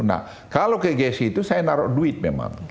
nah kalau ke gsi itu saya naruh duit memang